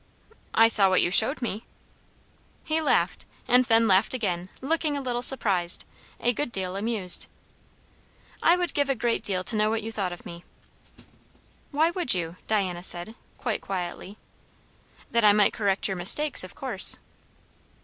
"I saw what you showed me!" He laughed, and then laughed again; looking a little surprised, a good deal amused. "I would give a great deal to know what you thought of me." "Why would you?" Diana said, quite quietly. "That I might correct your mistakes, of course."